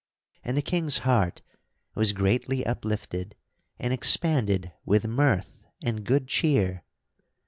And the King's heart was greatly uplifted and expanded with mirth and good cheer.